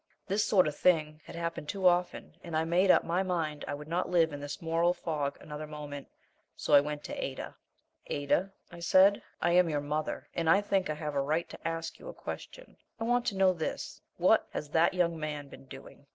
This sort of thing had happened too often, and I made up my mind I would not live in this moral fog another moment. So I went to Ada. "Ada," I said, "I am your mother, and I think I have a right to ask you a question. I want to know this: what has that young man been doing?"